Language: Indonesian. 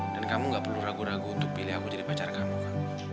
dan kamu gak perlu ragu ragu untuk pilih aku jadi pacar kamu kak